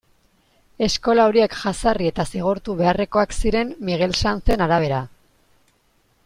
Eskola horiek jazarri eta zigortu beharrekoak ziren Miguel Sanzen arabera.